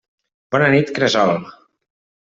Bona nit, cresol.